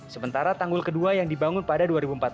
sementara tanggul kedua yang dibangun pada dua ribu empat belas